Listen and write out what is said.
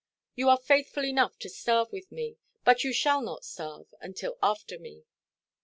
You are faithful enough to starve with me; but you shall not starve until after me."